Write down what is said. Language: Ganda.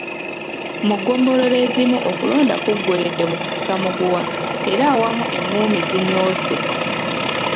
Mu ggombolola ezimu okulonda kuggweeredde mu kusika muguwa era awamu enguumi zinyoose.